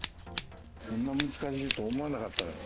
こんな難しいとは思わなかったよ。